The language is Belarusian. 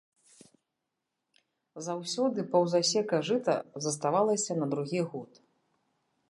Заўсёды паўзасека жыта заставалася на другi год...